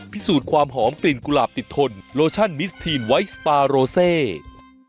พิสูจน์ความหอมกลิ่นกุหลาบติดทนโลชั่นมิสทีนไวท์สปาโรเซ